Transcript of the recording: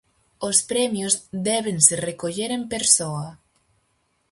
Os premios débense recoller en persoa.